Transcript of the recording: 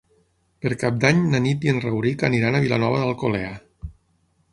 Per Cap d'Any na Nit i en Rauric aniran a Vilanova d'Alcolea.